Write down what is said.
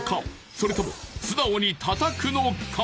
それとも素直に叩くのか？